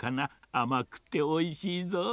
あまくておいしいぞ。